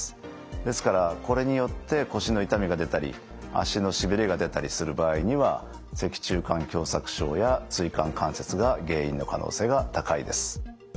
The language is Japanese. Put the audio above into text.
ですからこれによって腰の痛みが出たり脚のしびれが出たりする場合には脊柱管狭窄症や椎間関節が原因の可能性が高いです。